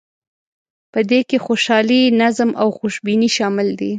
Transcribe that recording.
په دې کې خوشحالي، نظم او خوشبیني شامل دي.